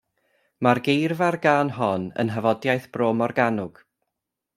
Mae geirfa'r gân hon yn nhafodiaith Bro Morgannwg.